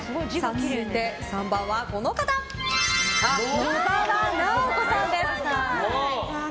続いて３番は、野沢直子さんです。